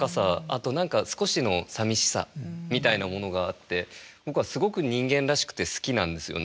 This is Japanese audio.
あと何か少しのさみしさみたいなものがあって僕はすごく人間らしくて好きなんですよね。